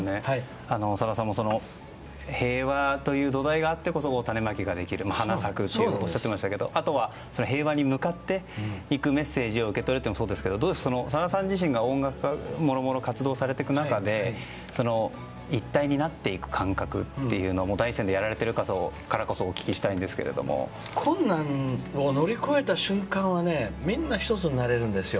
さださんも平和という土台があってこそ種まきができる花咲くとおっしゃっていましたがあとは平和に向かっていくメッセージを受け取るというのもそうですがさださん自身が音楽家として活動されていく中で一体になっていく感覚というのは第一線でやられてるからこそ困難を乗り越えた瞬間はみんな１つになれるんです。